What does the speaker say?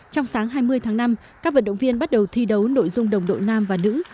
trong sáng hai mươi tháng năm các vận động viên bắt đầu thi đấu nội dung đồng đội nam và nữ